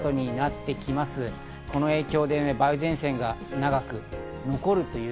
この影響で梅雨前線が長く残る。